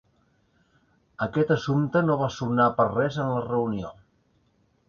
Aquest assumpte no va sonar per res en la reunió.